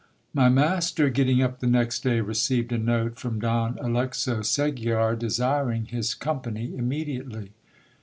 My master getting up the next day, received a note from Don Alexo Segiar, desiring his company immediately.